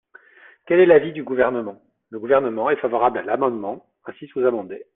Quel est l’avis du Gouvernement ? Le Gouvernement est favorable à l’amendement ainsi sous-amendé.